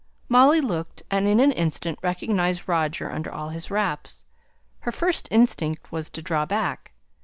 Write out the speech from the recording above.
Molly looked, and in an instant recognized Roger under all his wraps. Her first instinct was to draw back.